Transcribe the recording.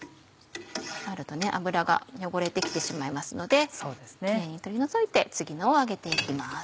あるとね油が汚れて来てしまいますのでキレイに取り除いて次のを揚げて行きます。